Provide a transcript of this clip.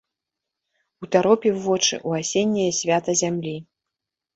Утаропіў вочы ў асенняе свята зямлі.